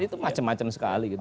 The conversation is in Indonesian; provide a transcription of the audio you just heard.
itu macam macam sekali gitu